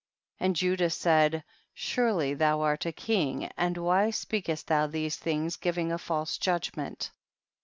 23. And Judah said, surely thou art a king, and why speakcst thou these things, giving a false judgment?